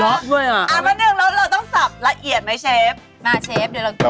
เอามันหนึ่งเราต้องทรัพย์ละเอียดไหมเชฟ